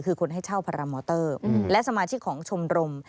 คือคนให้เช่าพารามอเตอร์และสมาชิกของชมรม